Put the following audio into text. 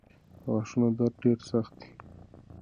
د غاښونو درد ډېر سخت وي.